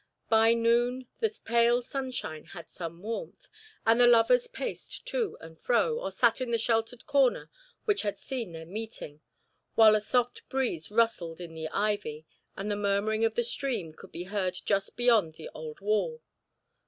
By noon, the pale sunshine had some warmth, and the lovers paced to and fro, or sat in the sheltered corner which had seen their meeting, while a soft breeze rustled in the ivy and the murmuring of the stream could be heard just beyond the old wall.